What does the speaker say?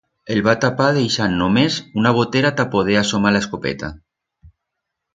El va tapar deixand només una botera ta poder asomar la escopeta.